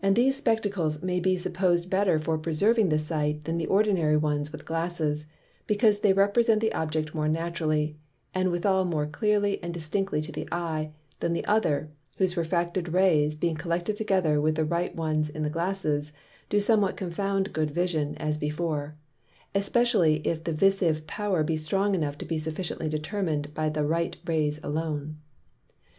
And these Spectacles may be suppos'd better for preserving the Sight, than the ordinary ones with Glasses, because they represent the Object more naturally, and withal more clearly and distinctly to the Eye, than the other, whose refracted Rays being collected together with the right ones in the Glasses, do somewhat confound good Vision, as before: Especially if the visive Power be strong enough to be sufficiently determin'd by the right Rays alone.